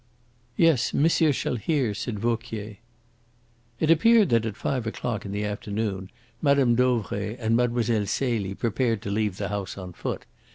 "Yes, monsieur shall hear," said Vauquier. It appeared that at five o'clock in the afternoon Mme. Dauvray and Mlle. Celie prepared to leave the house on foot.